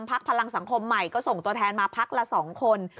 พลังสังคมใหม่ก็ส่งตัวแทนมาพักละ๒คน